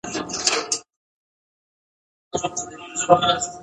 پوهه لرونکې میندې د ماشومانو د روغتیا بدلون ژر درک کوي.